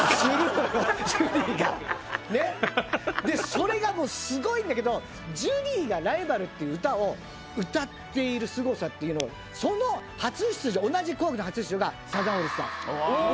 それがもうすごいんだけど『ジュリーがライバル』という歌を歌っているすごさっていうのをその初出場同じ『紅白』の初出場がうわー！